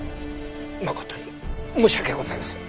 誠に申し訳ございません。